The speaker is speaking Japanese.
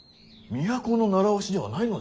都の習わしではないのですか。